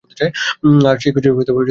আর সেই খিচুড়ি বিয়েতে পাঠাবেন।